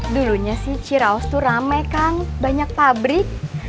dulunya sih ciraos itu rame kan banyak pabrik